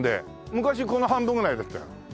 昔この半分ぐらいだったよ。